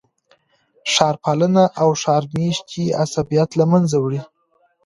ښار پالنه او ښار میشتي عصبیت له منځه وړي.